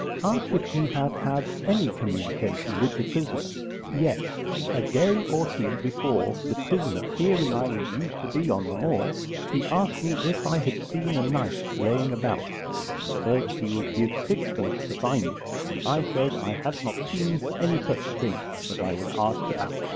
Asked if he had had any communication with the prisoner, 'Yes, a day or two before, the prisoner, hearing I was used to be on the moor, he asked me if I had seen a knife laying about, and said he would give sixpence to find it. And I said I had not seen any such thing, but I would ask about.